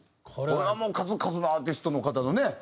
これはもう数々のアーティストの方のね